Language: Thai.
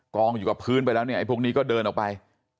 องอยู่กับพื้นไปแล้วเนี่ยไอ้พวกนี้ก็เดินออกไป